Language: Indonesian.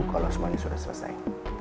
kalau semuanya sudah selesai